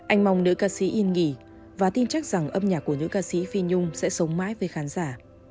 anh mong nữ ca sĩ yên nghỉ và tin chắc rằng âm nhạc của những ca sĩ phi nhung sẽ sống mãi với khán giả